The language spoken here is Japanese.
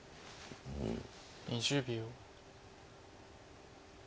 ２０秒。